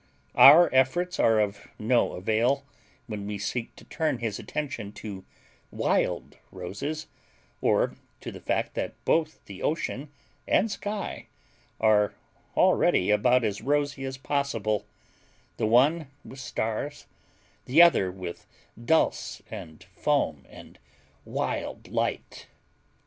Our efforts are of no avail when we seek to turn his attention to wild roses, or to the fact that both ocean and sky are already about as rosy as possible—the one with stars, the other with dulse, and foam, and wild light.